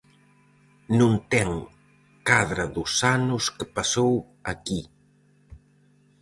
Non ten cadra dos anos que pasou aquí.